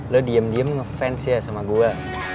lo diem diem ngefans ya sama gue